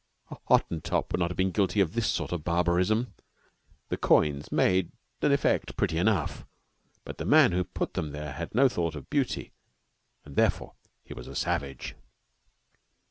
A Hottentot would not have been guilty of this sort of barbarism. The coins made an effect pretty enough, but the man who put them there had no thought of beauty, and, therefore, he was a savage.